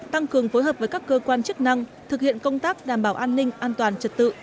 tăng cường phối hợp với các cơ quan chức năng thực hiện công tác đảm bảo an ninh an toàn trật tự